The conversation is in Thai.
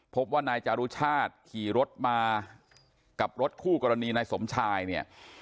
พบว่านายจารุชาติขี่รถมากับรถคู่กรณีนายสมชายเนี่ย